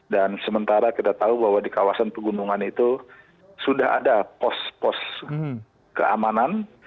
dan sementara kita tahu bahwa di kawasan pegunungan itu sudah ada pos pos keamanan